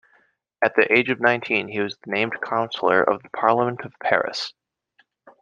At the age of nineteen he was named councillor of the parlement of Paris.